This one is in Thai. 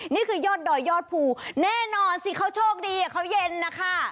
นี่คือยอดดอยยอดภูแน่นอนสิเขาโชคดีเขาเย็นนะคะ